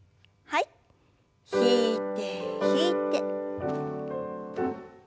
引いて引いて。